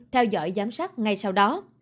theo dõi giám sát ngay sau đó